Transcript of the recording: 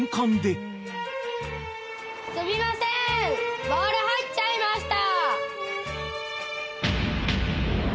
すみませんボール入っちゃいました。